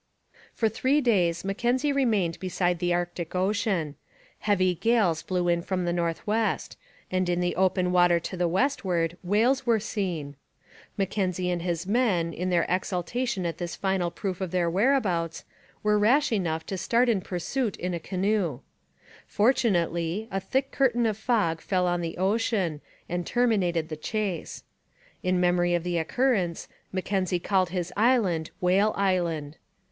For three days Mackenzie remained beside the Arctic ocean. Heavy gales blew in from the north west, and in the open water to the westward whales were seen. Mackenzie and his men, in their exultation at this final proof of their whereabouts, were rash enough to start in pursuit in a canoe. Fortunately, a thick curtain of fog fell on the ocean and terminated the chase. In memory of the occurrence, Mackenzie called his island Whale Island.